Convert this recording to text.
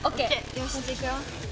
よしじゃあいくよ。